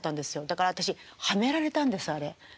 だから私はめられたんですあれ。